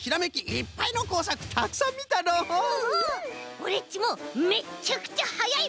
オレっちもめっちゃくちゃはやい